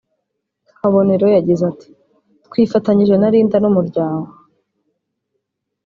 Kabonero yagize ati “Twifatanyije na Lindah n’umuryango